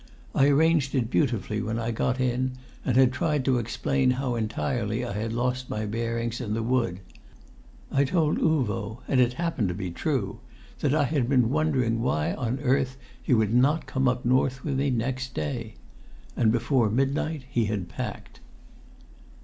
I arranged it beautifully when I got in and had tried to explain how entirely I had lost my bearings in the wood. I told Uvo, and it happened to be true, that I had been wondering why on earth he would not come up north with me next day. And before midnight he had packed.